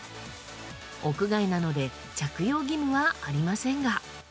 屋外なので着用義務はありませんが。